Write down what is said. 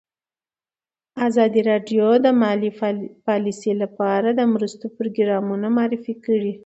ازادي راډیو د مالي پالیسي لپاره د مرستو پروګرامونه معرفي کړي.